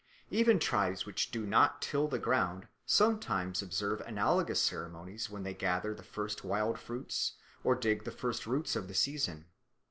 Even tribes which do not till the ground sometimes observe analogous ceremonies when they gather the first wild fruits or dig the first roots of the season.